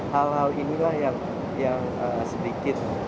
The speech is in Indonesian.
hal hal inilah yang sedikit